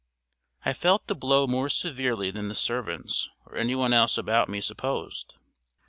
I felt the blow more severely than the servants or anyone else about me supposed.